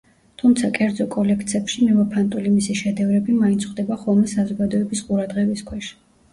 თუმცა კერძო კოლექცებში მიმოფანტული მისი შედევრები, მაინც ხვდება ხოლმე საზოგადოების ყურადღების ქვეშ.